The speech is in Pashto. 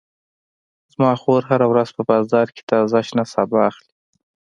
زما خور هره ورځ په بازار کې تازه شنه سابه اخلي